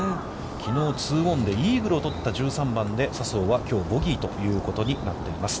きのう、ツーオンでイーグルを取った１３番で笹生はきょうボギーということになっています。